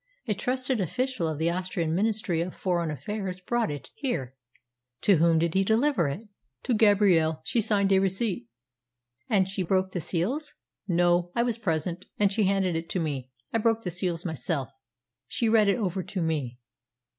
A trusted official of the Austrian Ministry of Foreign Affairs brought it here. To whom did he deliver it?" "To Gabrielle. She signed a receipt." "And she broke the seals?" "No. I was present, and she handed it to me. I broke the seals myself. She read it over to me."